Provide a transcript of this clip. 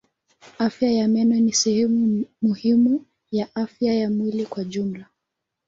Afya ya meno ni sehemu muhimu ya afya ya mwili kwa jumla.